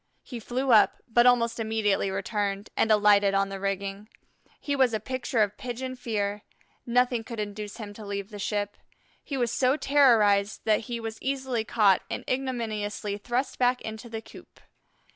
He flew up, but almost immediately returned and alighted on the rigging. He was a picture of pigeon fear; nothing could induce him to leave the ship. He was so terrorized that he was easily caught and ignominiously thrust back into the coop.